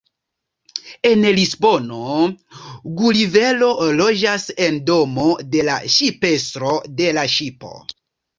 En Lisbono Gulivero loĝas en domo de la ŝipestro de la ŝipo.